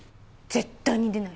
絶対に出ない。